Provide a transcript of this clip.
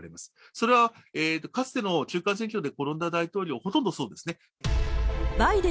それはかつての中間選挙で転んだ大統領、すべてそうですね。